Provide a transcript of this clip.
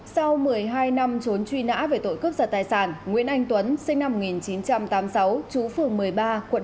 sau một mươi hai năm trốn truy nã về tội cướp giật tài sản nguyễn anh tuấn sinh năm một nghìn chín trăm tám mươi sáu chú phường một mươi ba quận tám